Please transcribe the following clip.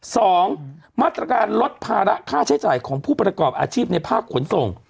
สองมาตรการลดภาระค่าใช้จ่ายของผู้ประกอบอาชีพในภาคขนส่ง